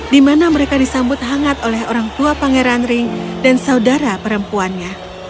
di mana mereka disambut hangat oleh orang tua pangeran ring dan saudara perempuannya